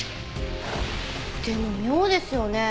でも妙ですよね。